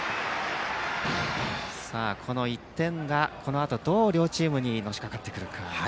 この１点がこのあと両チームにどうのしかかってくるか。